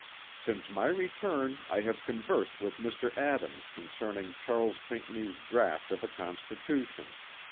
"Since my return I have conversed with Mr. Adams concerning Charles Pinckney's draught of a constitution.